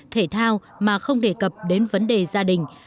thể thao mà không đề cập đến vấn đề gia đình